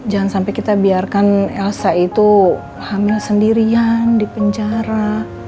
jangan sampai kita biarkan elsa itu hamil sendirian di penjara